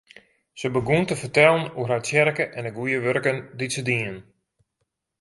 Se begûn te fertellen oer har tsjerke en de goede wurken dy't se dienen.